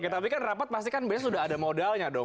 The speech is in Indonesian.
oke tapi kan rapat pasti kan biasanya sudah ada modalnya dong